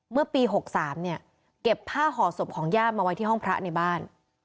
เมื่อปี๖๓เนี่ยเก็บผ้าห่อศพของย่ามาไว้ที่ห้องพระในบ้าน